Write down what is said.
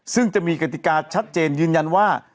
ซึ่งจะมีกติกาชัดเจนยืนยันว่า